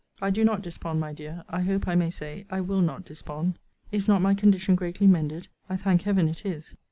I do not despond, my dear. I hope I may say, I will not despond. Is not my condition greatly mended? I thank Heaven it is!